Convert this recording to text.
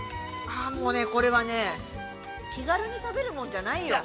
◆あもうね、これはね、気軽に食べるもんじゃないよ。